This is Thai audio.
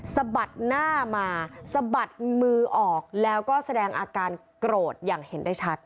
สะบัดหน้ามาสะบัดมือออกแล้วก็แสดงอาการโกรธอย่างเห็นได้ชัด